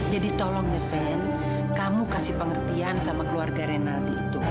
jadi tolong ya fen kamu kasih pengertian sama keluarga rinaldi itu